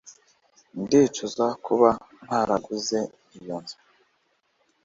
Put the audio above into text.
Ndicuza kuba ntaraguze iyo nzu